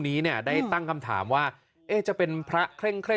นี้เนี่ยได้ตั้งคำถามว่าเอ๊ะจะเป็นพระเคร่ง